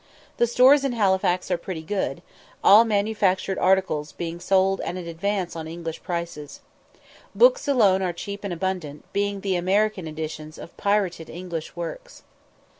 The stores in Halifax are pretty good, all manufactured articles being sold at an advance on English prices. Books alone are cheap and abundant, being the American editions of pirated English works.